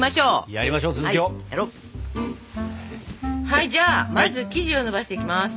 はいじゃあまず生地をのばしていきます。